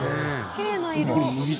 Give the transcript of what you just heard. きれいな色！